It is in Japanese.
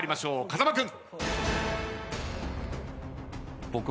風間君。